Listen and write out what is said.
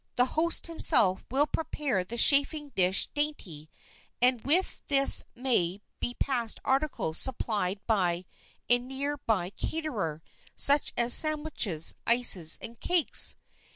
The host, himself, will prepare the chafing dish dainty, and with this may be passed articles supplied by a near by caterer, such as sandwiches, ices and cakes.